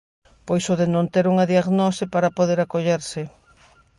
Pois o de non ter unha diagnose para poder acollerse.